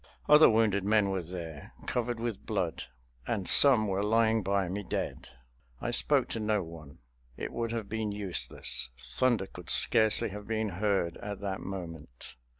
Other wounded men were there, covered with blood, and some were lying by me dead. I spoke to no one. It would have been useless; thunder could scarcely have been heard at that moment.